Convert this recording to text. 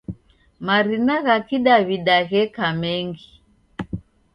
Marina ghakidawida gheka mengi.